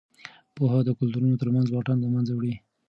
پوهه د کلتورونو ترمنځ واټن له منځه وړي.